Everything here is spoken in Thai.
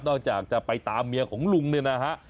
จากจะไปตามเมียของลุงเนี่ยนะฮะ